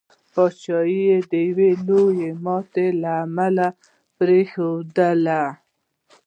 پاچهي یې د یوي لويي ماتي له امله پرېښودله.